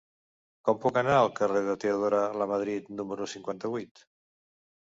Com puc anar al carrer de Teodora Lamadrid número cinquanta-vuit?